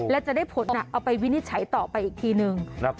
และจะได้ผลเอาไปวินิจฉัยต่อไปอีกทีนึง